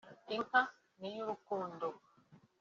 ‘Inka ni iy’urukundo’